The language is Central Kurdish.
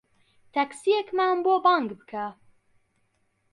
تەکسییەکمان بۆ بانگ بکە.